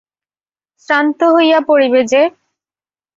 শ্রান্ত হইয়া পড়িবে যে।